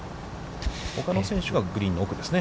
ほかの選手がグリーンの奥ですね。